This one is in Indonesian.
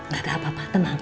gak ada apa apa tenang